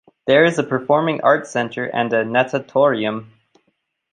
There is a Performing Arts Center and a Natatorium.